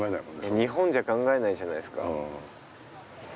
日本じゃ考えないじゃないですか。